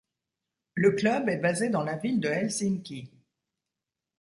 Le club est basé dans la ville de Helsinki.